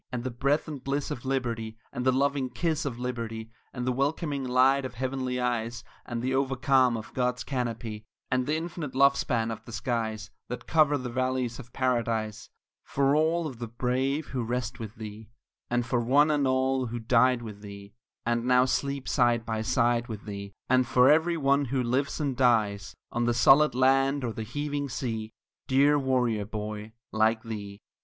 And the breath and bliss of Liberty; And the loving kiss of Liberty; And the welcoming light of heavenly eyes, And the over calm of God's canopy; And the infinite love span of the skies That cover the valleys of Paradise For all of the brave who rest with thee; And for one and all who died with thee, And now sleep side by side with thee; And for every one who lives and dies, On the solid land or the heaving sea, Dear warrior boy like thee.